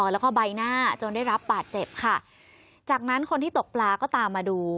แล้วก็ใบหน้าจนได้รับบาดเจ็บค่ะจากนั้นคนที่ตกปลาก็ตามมาดู